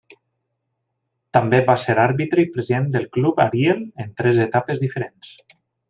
També va ser àrbitre i president del Club Ariel en tres etapes diferents.